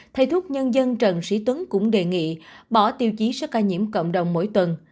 thầy thuốc nhân dân trần sĩ tuấn cũng đề nghị bỏ tiêu chí số ca nhiễm cộng đồng mỗi tuần